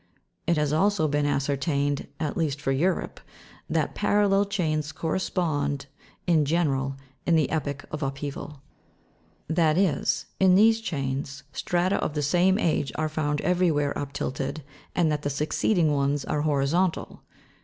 It has also been ascertained, at least for Europe, that parallel chains correspond, in general, in the epoch of upheaval ; that is, m 190 SYSTEMS OF UPHEAVAL. these chajns, strata of the same age are found every where uptilted, and that the succeeding ones are horizontal.